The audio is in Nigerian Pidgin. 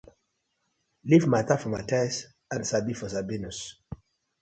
Leave mata for Mathias and Sabi for Sabinus: